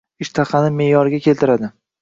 Ishtahani meʼyoriga keltiradi;